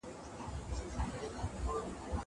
زه اجازه لرم چي سبزېجات تيار کړم.